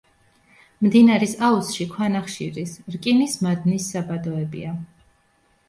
მდინარის აუზში ქვანახშირის, რკინის მადნის საბადოებია.